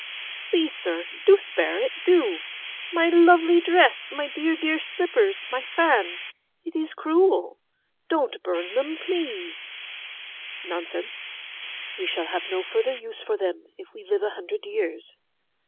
'Please, sir—do spare it—do! My lovely dress—my dear, dear slippers—my fan—it is cruel! Don't burn them, please!' 'Nonsense. We shall have no further use for them if we live a hundred years.